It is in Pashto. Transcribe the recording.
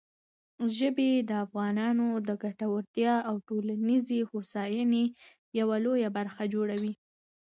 ژبې د افغانانو د ګټورتیا او ټولنیزې هوساینې یوه لویه برخه جوړوي.